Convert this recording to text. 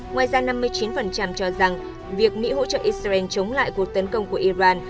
ngoài ra năm mươi chín cho rằng việc mỹ hỗ trợ israel chống lại cuộc tấn công của iran